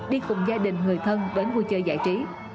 đi cùng gia đình người thân đến vui chơi giải trí